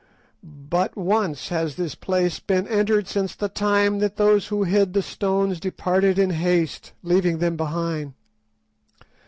But once has this place been entered since the time that those who hid the stones departed in haste, leaving them behind.